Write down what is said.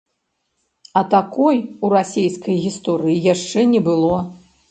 А такой у расейскай гісторыі яшчэ не было.